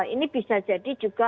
ini bisa jadi juga